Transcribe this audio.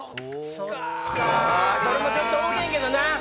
それもちょっと思てんけどな。